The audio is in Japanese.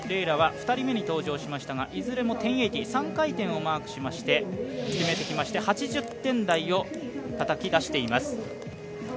楽は２人目に登場しましたがいずれも１０８０、３回転をマークし、決めてきまして８０点台をたたき出しています。